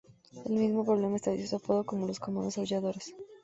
El mismo problema estableció su apodo como los Comandos Aulladores.